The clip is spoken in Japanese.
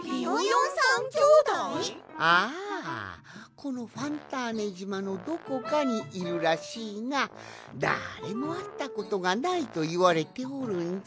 このファンターネじまのどこかにいるらしいがだれもあったことがないといわれておるんじゃ。